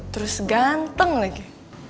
terus ganteng lagi